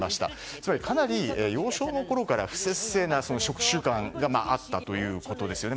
つまり、かなり幼少のころから不摂生な食習慣があったということですよね。